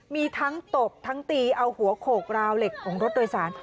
มีทั้งตบทั้งตีเอาหัวโขกราวเหล็กของรถโดยสาร